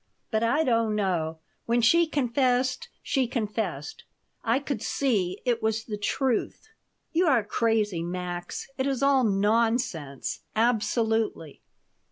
But I don't know. When she confessed she confessed. I could see it was the truth." "You are crazy, Max! It is all nonsense. Ab solutely."